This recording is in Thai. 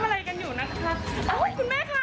สวัสดีครับคุณผู้ชมครับ